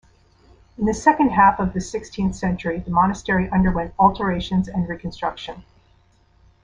In the second half of the sixteenth century the monastery underwent alterations and reconstruction.